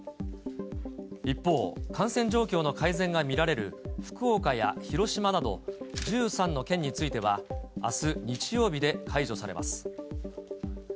一方、感染状況の改善が見られる福岡や広島など、１３の県については、あす日曜日で解除されます。